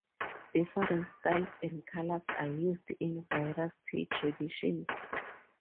Different styles and colours are used in various tea traditions.